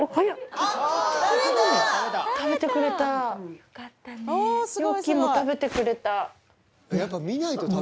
良も食べてくれた。